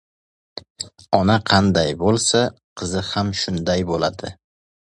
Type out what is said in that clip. • Ona qanday bo‘lsa, qizi ham shunday bo‘ladi.